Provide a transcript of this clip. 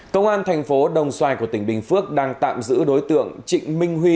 công an thành phố đồng xoài của tỉnh bình phước đang tạm giữ đối tượng trịnh minh huy